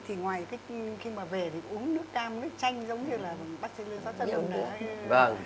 thì ngoài khi mà về thì uống nước cam nước chanh giống như là bác sĩ lương xóa chân